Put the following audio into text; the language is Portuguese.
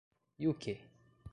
E o que?